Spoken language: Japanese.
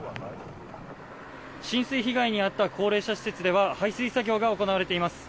浸水被害に遭った高齢者施設では排水作業が行われています。